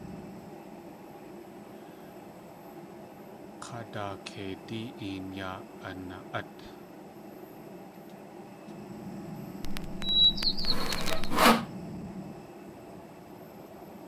K̲aa daakeidí een yaa ana.át.